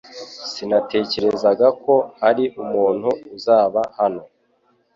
Sinatekerezaga ko hari umuntu uzaba hano